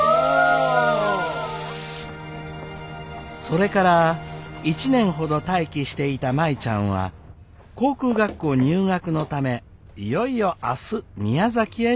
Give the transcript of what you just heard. それから１年ほど待機していた舞ちゃんは航空学校入学のためいよいよ明日宮崎へ出発します。